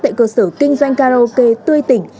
tại cơ sở kinh doanh karaoke tươi tỉnh